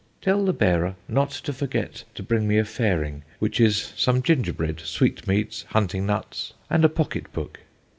Tell the bearer not to forget to bring me a fairing, which is some ginger bread, sweetmeat, hunting nuts, and a pocket book.